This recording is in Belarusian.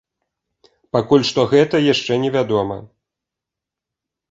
Пакуль што гэта яшчэ не вядома.